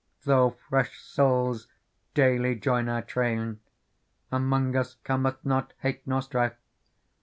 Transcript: Though fresh souls daily join our"Frain, Among us coraeth nor hate nor strife.